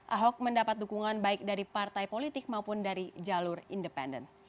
ahok mendapat dukungan baik dari partai politik maupun dari jalur independen